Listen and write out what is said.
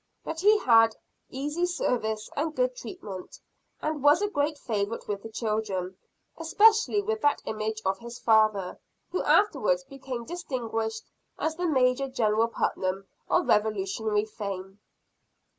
But he had easy service and good treatment; and was a great favorite with the children, especially with that image of his father, who afterwards became distinguished as the Major General Putnam of Revolutionary fame.